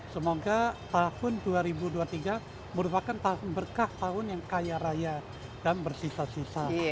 semoga tahun dua ribu dua puluh tiga merupakan tahun berkah tahun yang kaya raya dan bersisa sisa